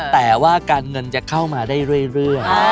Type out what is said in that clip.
แต่ว่าการเงินจะเข้ามาได้เรื่อย